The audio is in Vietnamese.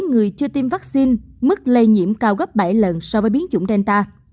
người chưa tiêm vaccine mức lây nhiễm cao gấp bảy lần so với biến chủng delta